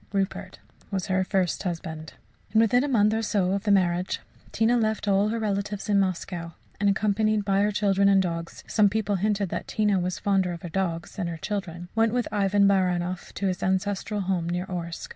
(Rupert was her first husband.) And within a month or so of the marriage Tina left all her relatives in Moscow, and, accompanied by her children and dogs some people hinted that Tina was fonder of her dogs than of her children went with Ivan Baranoff to his ancestral home near Orsk.